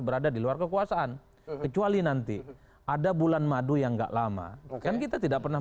berada di luar kekuasaan kecuali nanti ada bulan madu yang enggak lama kan kita tidak pernah